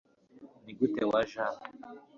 nigute waje hano